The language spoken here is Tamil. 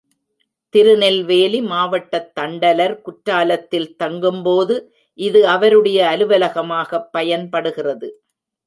திருநெல்வேலி மாவட்டத் தண்டலர் குற்றாலத்தில் தங்கும்போது, இது அவருடைய அலுவலகமாகப் பயன்படுகிறது.